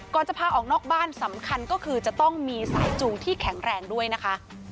จะพาออกนอกบ้านสำคัญก็คือจะต้องมีสายจูงที่แข็งแรงด้วยนะคะ